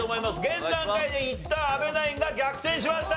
現段階でいったん阿部ナインが逆転しました！